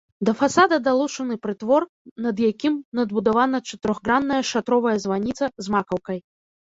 Да фасада далучаны прытвор, над якім надбудавана чатырохгранная шатровая званіца з макаўкай.